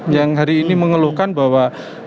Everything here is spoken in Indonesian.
yang hari ini mengeluhkan bahwa